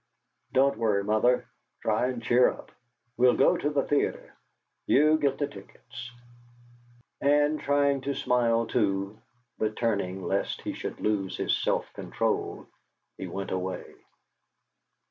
"Don't worry, Mother; try and cheer up. We'll go to the theatre. You get the tickets!" And trying to smile too, but turning lest he should lose his self control, he went away.